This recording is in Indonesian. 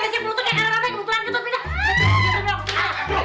eh ada apaan